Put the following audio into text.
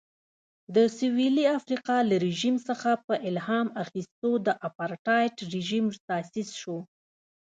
د سوېلي افریقا له رژیم څخه په الهام اخیستو اپارټایډ رژیم تاسیس شو.